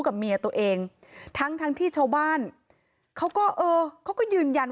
กับเมียตัวเองทั้งทั้งที่ชาวบ้านเขาก็เออเขาก็ยืนยัน